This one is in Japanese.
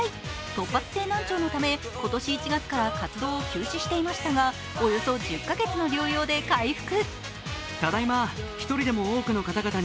突発性難聴のため今年１月から活動を休止していましたがおよそ１０か月の療養で回復。